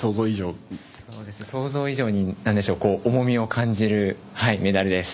想像以上に重みを感じるメダルです。